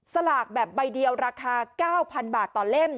สลากแบบใบเดียวราคา๙๐๐บาทต่อเล่ม